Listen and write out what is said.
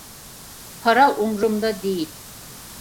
Para umurumda değil.